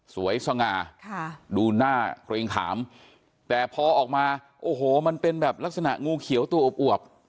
สง่าดูหน้าเกรงขามแต่พอออกมาโอ้โหมันเป็นแบบลักษณะงูเขียวตัวอวบ